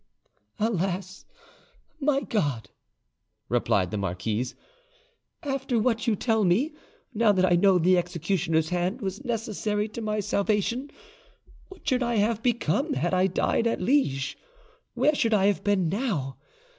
"Alas, my God," replied the marquise, "after what you tell me, now that I know the executioner's hand was necessary to my salvation, what should I have become had I died at Liege? Where should I have been now?